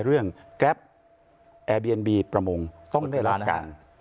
เรื่องแก๊บแอร์บีเอ็นบีประมงต้องได้รับการ